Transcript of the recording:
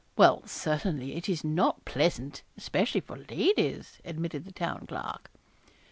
'Well, certainly it is not pleasant, especially for ladies,' admitted the Town Clerk.